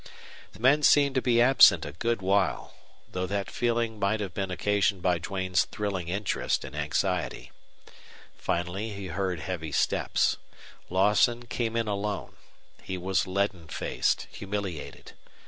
The men seemed to be absent a good while, though that feeling might have been occasioned by Duane's thrilling interest and anxiety. Finally he heard heavy steps. Lawson came in alone. He was leaden faced, humiliated.